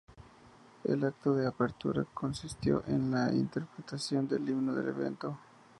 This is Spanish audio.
El acto de apertura consistió en la interpretación del himno del evento.